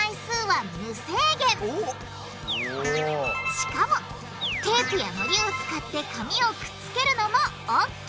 しかもテープやのりを使って紙をくっつけるのもＯＫ！